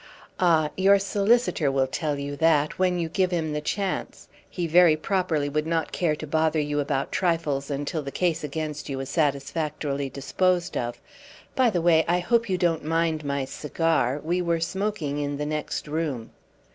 "Ah, your solicitor will tell you that when you give him the chance! He very properly would not care to bother you about trifles until the case against you was satisfactorily disposed of. By the way, I hope you don't mind my cigar? We were smoking in the next room."